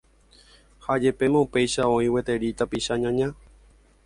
Ha jepémo upéicha oĩ gueteri tapicha ñaña